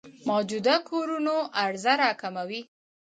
موجوده کورونو عرضه راکموي.